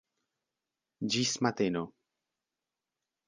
Ĝis mateno.